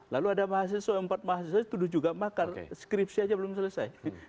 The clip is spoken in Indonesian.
lalu ada mahasiswa empat mahasiswa tuduh juga makar skripsi aja belum selesai